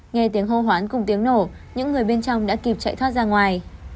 nghe tiếng hô hoán cùng tiếng nổ những người bên trong đã kịp chạy thoát ra ngoài